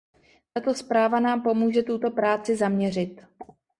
Tato zpráva nám pomůže tuto práci zaměřit.